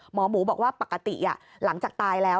หมอหมูบอกว่าปกติหลังจากตายแล้ว